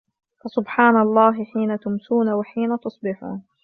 فَسُبْحَانَ اللَّهِ حِينَ تُمْسُونَ وَحِينَ تُصْبِحُونَ